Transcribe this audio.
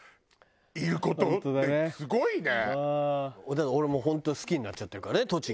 だから俺もう本当好きになっちゃってるからね栃木